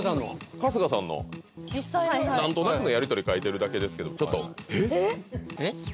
春日さんの何となくのやり取り書いてるだけですけどちょっとえっ⁉えっ？